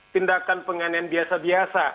tindakan penganian biasa biasa